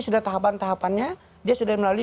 sudah tahapan tahapannya dia sudah melalui